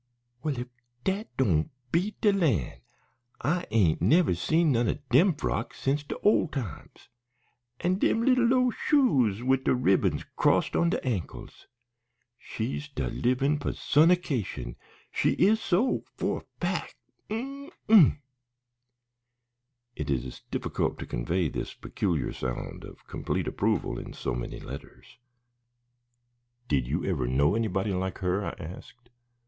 "Well, if dat doan' beat de lan'. I ain't never seen none o' dem frocks since de ole times. An' dem lil low shoes wid de ribbons crossed on de ankles! She's de livin' pussonecation she is so, for a fac'. Uhm! Uh!" (It is difficult to convey this peculiar sound of complete approval in so many letters.) "Did you ever know anybody like her?" I asked.